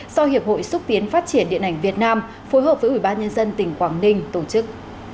do hiệp hội xúc tiến phát triển điện ảnh việt nam phối hợp với ubnd tỉnh quảng ninh tổ chức